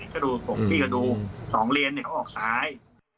พี่ก็ดูสองเลนเขาออกซ้าย